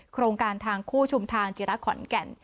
โครงการทางคู่ชุมทางจิระขอนแก่น